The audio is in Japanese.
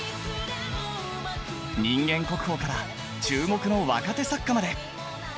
人間国宝から注目の若手作家まで。